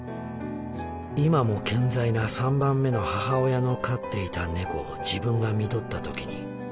今も健在な３番目の母親の飼っていた猫を自分が看取った時にそう思った。